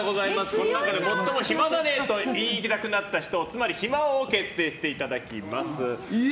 この中で最も暇だねと言いたくなった人つまり暇王を決定していただきます。